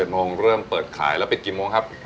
โมงเริ่มเปิดขายแล้วปิดกี่โมงครับ